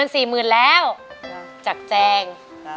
ร้องได้ให้ร้อง